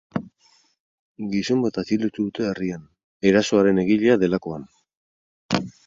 Gizon bat atxilotu dute herrian, erasoaren egilea delakoan.